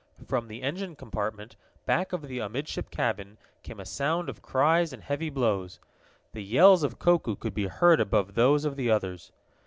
From the engine compartment, back of the amidship cabin, came a sound of cries and heavy blows. The yells of Koku could be heard above those of the others.